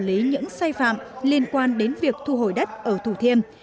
xử lý những sai phạm liên quan đến việc thu hồi đất ở thủ thiêm